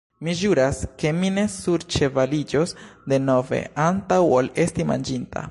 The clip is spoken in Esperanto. Mi ĵuras, ke mi ne surĉevaliĝos denove, antaŭ ol esti manĝinta.